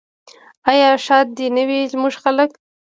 آیا ښاد دې نه وي زموږ خلک؟